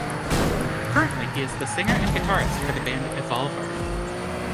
Currently he is the singer and guitarist for the band Evolver.